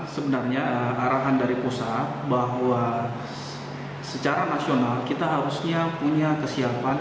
sebenarnya arahan dari pusat bahwa secara nasional kita harusnya punya kesiapan